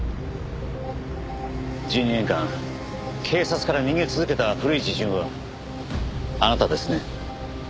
１２年間警察から逃げ続けた古市潤はあなたですね？